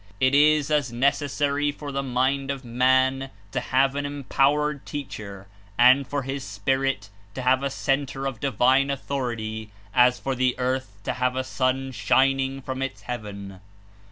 It is as necessary for the mind of man to have an em powered teacher, and for his spirit to have a center of divine Authority, as for the earth to have a sun shining from Its heaven.